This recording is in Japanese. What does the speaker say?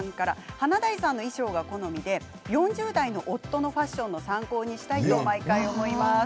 華大さんの衣装が好みで４０代の夫のファッションの参考にしたいと毎回思います。